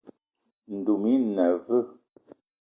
Ndoum i na aveu?